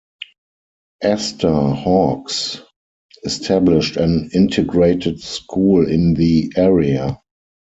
Esther Hawks established an integrated school in the area.